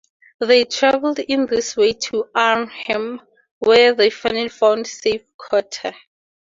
They travelled in this way to Arnhem, where they finally found safe quarter.